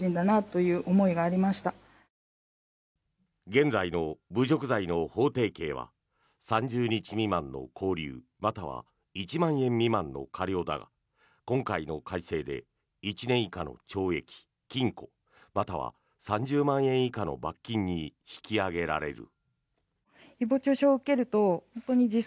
現在の侮辱罪の法定刑は３０日未満の拘留または１万円未満の科料だが今回の改正で１年以下の懲役・禁錮または３０万円以下の罰金に引き上げられる。